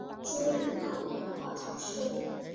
洛宗人口变化图示